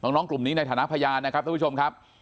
น้องกลุ่มนี้ในฐานะพยานนะครับทุกผู้ชมครับ